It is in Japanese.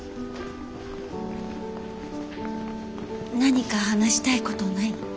何か話したいことない？